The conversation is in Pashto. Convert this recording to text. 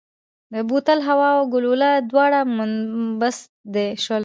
د بوتل هوا او ګلوله دواړه منبسط شول.